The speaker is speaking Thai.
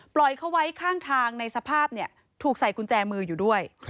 ปล่อยเขาไว้ข้างทางในสภาพถูกใส่กุญแจมืออยู่ด้วย